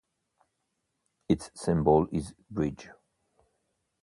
Its symbol is bridge.